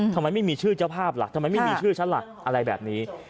ทำไมไม่มีชื่อเจ้าภาพล่ะทำไมไม่มีชื่อฉันล่ะอะไรแบบนี้